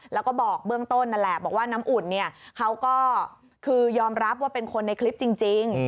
แล้วก็บอกเบื้องต้นนั่นแหละบอกว่าน้ำอุ่นเนี่ยเขาก็คือยอมรับว่าเป็นคนในคลิปจริง